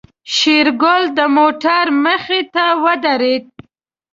شېرګل د موټر مخې ته ودرېد.